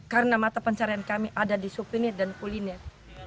karena mata pencarian kami ada di souvenir dan kuliner